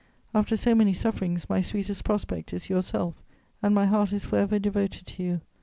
After so many sufferings, my sweetest prospect is yourself, and my heart is for ever devoted to you.